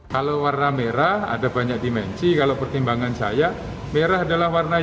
kalau warna merah ada banyak dimensi kalau perkembangan saya merah itu adalah warna merah